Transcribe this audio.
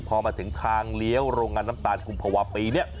พอมาถึงทางเลี้ยวโรงงานน้ำตาลกุมภาวะปีเนี่ย